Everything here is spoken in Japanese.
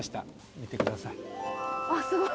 見てください。